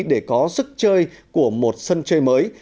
để có sức chơi của một sân chơi mới